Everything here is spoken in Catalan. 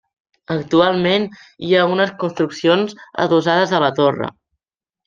Actualment hi ha unes construccions adossades a la torre.